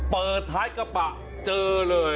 เปิดท้ายกระบะเจอเลย